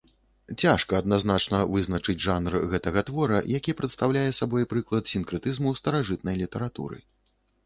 Цяжка адназначна вызначыць жанр гэтага твора, які прадстаўляе сабой прыклад сінкрэтызму старажытнай літаратуры.